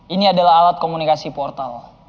ini adalah alat komunikasi portal